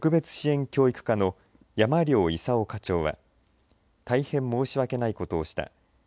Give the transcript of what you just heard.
市教育委員会特別支援教育課の山領勲課長は大変申し訳ないことをした。